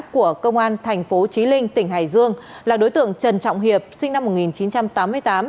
của công an thành phố trí linh tỉnh hải dương là đối tượng trần trọng hiệp sinh năm một nghìn chín trăm tám mươi tám